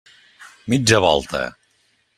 Mitja volta!